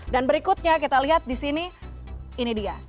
dan berikutnya kita lihat di sini ini dia